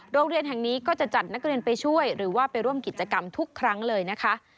โรงเรียนแห่งนี้ก็จะจัดนักเรียนไปช่วยหรือว่าไปร่วมกิจกรรมทุกครั้งเลยนะคะ